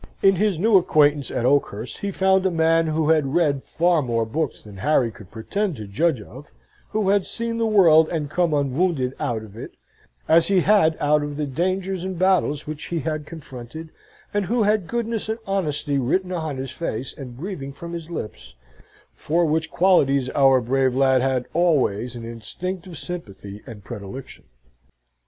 In his new acquaintance at Oakhurst he found a man who had read far more books than Harry could pretend to judge of, who had seen the world and come unwounded out of it, as he had out of the dangers and battles which he had confronted, and who had goodness and honesty written on his face and breathing from his lips, for which qualities our brave lad had always an instinctive sympathy and predilection.